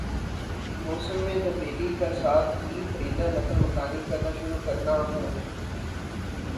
موسم میں تبدیلی کا ساتھ ہی پرندہ نقل مکانی کرنا شروع کرنا ہون